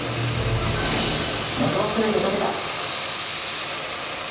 謎はすべて解けた！